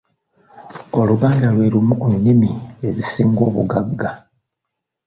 Oluganda lwe lumu ku nnimi ezisinga obugagga.